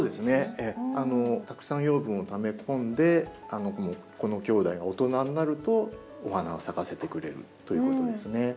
たくさん養分をため込んでこのきょうだいが大人になるとお花を咲かせてくれるということですね。